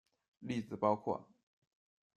例子包括：